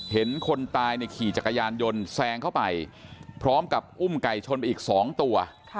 เห็นคนตายขี่จักรยานยนต์แซงเข้าไปพร้อมกับอุ้มไก่ชนไปอีก๒ตัว